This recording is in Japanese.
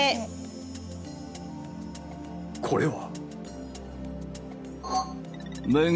これは？